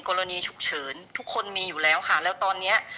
กรณีฉุกเฉินทุกคนมีอยู่แล้วค่ะแล้วตอนเนี้ย